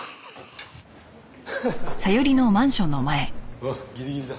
うわっギリギリだ。